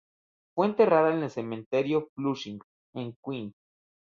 Fue enterrada en el Cementerio Flushing en Queens.